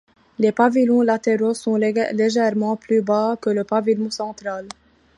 Les pavillons latéraux sont légèrement plus bas que le pavillon central.